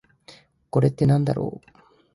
これってなんだろう？